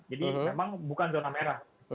jadi memang bukan zona merah